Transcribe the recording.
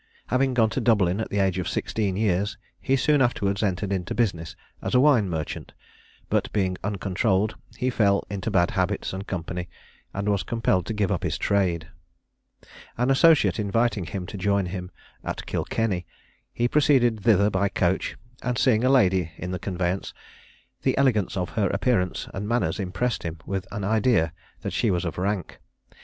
Having gone to Dublin at the age of sixteen years, he soon afterwards entered into business as a wine merchant; but being uncontrolled, he fell into bad habits and company, and was compelled to give up his trade. An associate inviting him to join him at Kilkenny, he proceeded thither by coach, and seeing a lady in the conveyance, the elegance of her appearance and manners impressed him with an idea that she was of rank.